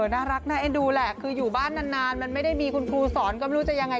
น่ารักน่าเอ็นดูแหละคืออยู่บ้านนานมันไม่ได้มีคุณครูสอนก็ไม่รู้จะยังไง